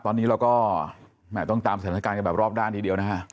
ตอนนี้เราก็ต้องตามสถานการณ์กันแบบรอบด้านทีเดียวนะฮะ